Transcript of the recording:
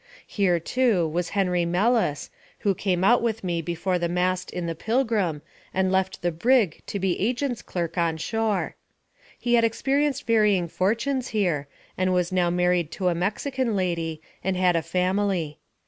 Here, too, was Henry Mellus, who came out with me before the mast in the Pilgrim, and left the brig to be agent's clerk on shore. He had experienced varying fortunes here, and was now married to a Mexican lady, and had a family.